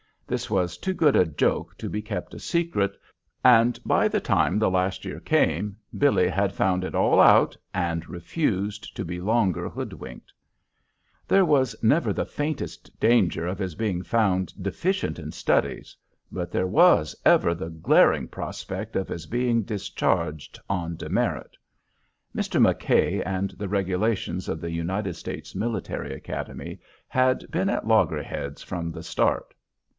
This was too good a joke to be kept a secret, and by the time the last year came Billy had found it all out and refused to be longer hoodwinked. There was never the faintest danger of his being found deficient in studies, but there was ever the glaring prospect of his being discharged "on demerit." Mr. McKay and the regulations of the United States Military Academy had been at loggerheads from the start.